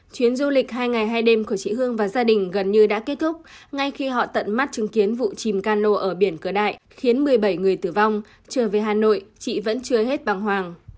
chuyến du lịch hai ngày hai đêm của chị hương và gia đình gần như đã kết thúc ngay khi họ tận mắt chứng kiến vụ chìm cano ở biển cửa đại khiến một mươi bảy người tử vong trở về hà nội chị vẫn chưa hết bằng hoàng